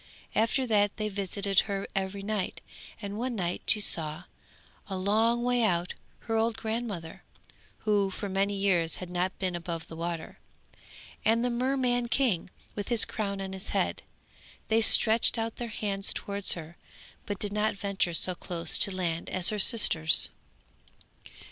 After that they visited her every night, and one night she saw, a long way out, her old grandmother (who for many years had not been above the water), and the Merman King with his crown on his head; they stretched out their hands towards her, but did not venture so close to land as her sisters.